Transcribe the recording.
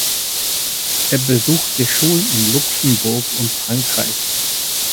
Er besuchte Schulen in Luxemburg und Frankreich.